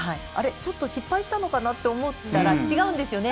ちょっと失敗したのかなって思ったら違うんですよね。